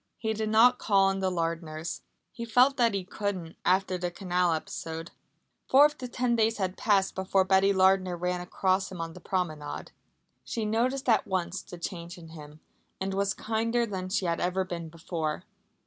He did not call on the Lardners. He felt that he couldn't after the canal episode. Four of the ten days had passed before Betty Lardner ran across him on the promenade. She noticed at once the change in him, and was kinder than she had ever been before.